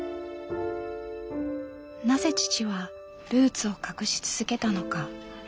なぜ父はルーツを隠し続けたのか。